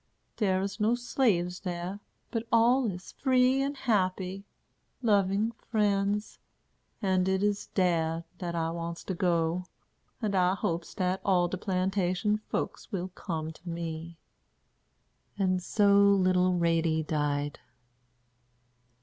Dere is no slaves dar, but all is free and happy, loving friends; and it is dar dat I wants to go; and I hopes dat all de plantation folks will come to me." And so little Ratie died.